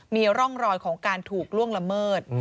มีร่องรอยของการถูกล่วงละเมิด